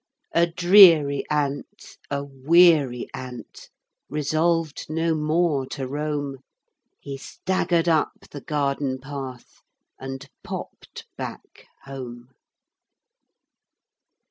A dreary ant, a weary ant, resolved no more to roam, He staggered up the garden path and popped back home.